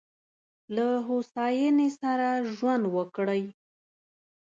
له هوساینې سره ژوند وکړئ.